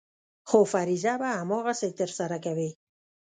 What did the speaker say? خو فریضه به هماغسې ترسره کوې.